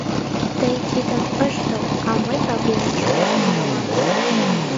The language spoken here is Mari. Тый тидым ыштыл, а мый правленийыш коштын толам.